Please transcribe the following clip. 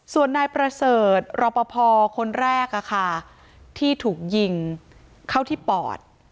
ส่วนนายประเสริฐรอปภคนแรกที่ถูกยิงเข้าที่ปอด